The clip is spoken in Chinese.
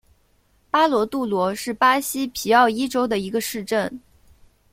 巴罗杜罗是巴西皮奥伊州的一个市镇。